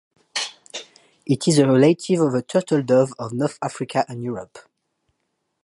It is a relative of the turtledove of North Africa and Europe.